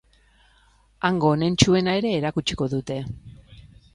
Hango onentsuena ere erakutsiko dute.